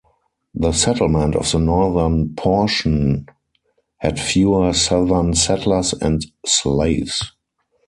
The settlement of the northern portion had fewer Southern settlers and slaves.